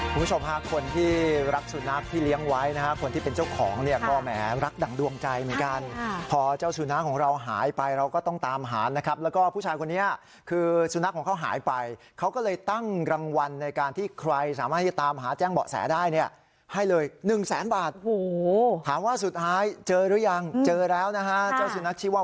ผู้ชมฮาคนที่รักสุนัขที่เลี้ยงไว้นะครับคนที่เป็นเจ้าของเนี่ยก็แหมรักดั่งดวงใจเหมือนกันพอเจ้าสุนัขของเราหายไปเราก็ต้องตามหานะครับแล้วก็ผู้ชายคนนี้คือสุนัขของเขาหายไปเขาก็เลยตั้งรางวัลในการที่ใครสามารถที่จะตามหาแจ้งเบาะแสได้เนี่ยให้เลยหนึ่งแสนบาทหูหูหูหูหูหูหูหูหูหูหูหูหูหูหูหูหูหู